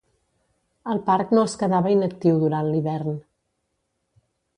El parc no es quedava inactiu durant l'hivern.